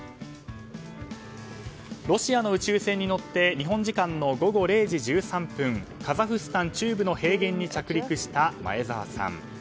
ロシアの宇宙船に乗って日本時間の午後０時１３分カザフスタン中部の平原に着陸した前澤さん。